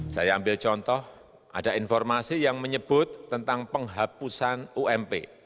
saya ambil contoh ada informasi yang menyebut tentang penghapusan ump